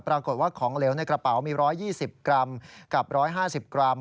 ปรากฏว่าของเหลวในกระเป๋ามี๑๒๐กรัมกับ๑๕๐กรัม